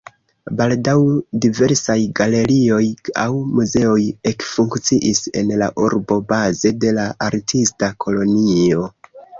Baldaŭ diversaj galerioj aŭ muzeoj ekfunkciis en la urbo baze de la artista kolonio.